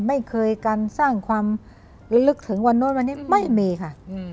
ไม่เคยการสร้างความระลึกถึงวันนู้นวันนี้ไม่มีค่ะ